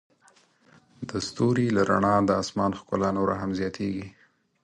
د ستوري له رڼا د آسمان ښکلا نوره هم زیاتیږي.